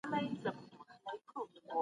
د رسا صاحب يو بيت مي په کتابچه کي وليکل.